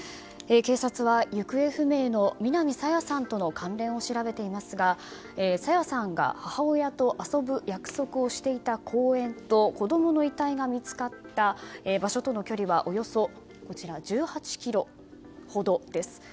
警察は行方不明の南朝芽さんとの関連を調べていますが朝芽さんが母親と遊ぶ約束をしていた公園と子供の遺体が見つかった場所との距離はおよそ１８ｋｍほどです。